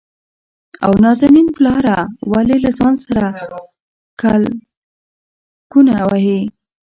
او نازنين پلاره ! ولې له ځان سره کلګکونه وهې؟